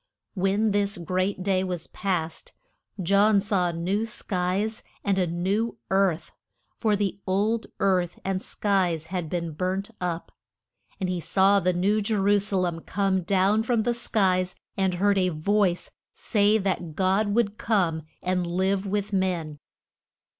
When this great day was past, John saw new skies and a new earth, for the old earth and skies had been burnt up, And he saw the New Je ru sa lem come down from the skies, and heard a voice say that God would come and live with men.